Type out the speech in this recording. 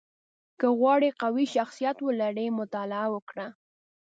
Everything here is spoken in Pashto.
• که غواړې قوي شخصیت ولرې، مطالعه وکړه.